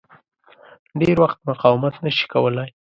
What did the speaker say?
ډېر وخت مقاومت نه شي کولای.